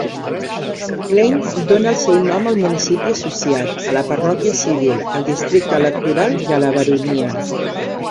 Clane dóna el seu nom al municipi associat, a la parròquia civil, al districte electoral i a la baronia.